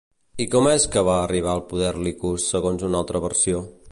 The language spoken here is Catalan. I com és que va arribar al poder Licos, segons una altra versió?